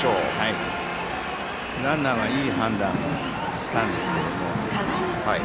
ランナーがいい判断をしたんですけども。